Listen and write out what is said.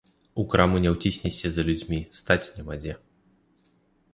У краму не ўціснешся за людзьмі, стаць няма дзе.